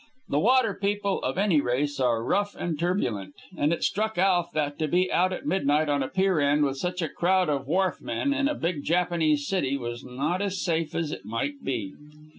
The water people of any race are rough and turbulent, and it struck Alf that to be out at midnight on a pier end with such a crowd of wharfmen, in a big Japanese city, was not as safe as it might be.